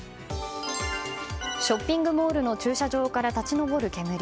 ショッピングモールの駐車場から立ち上る煙。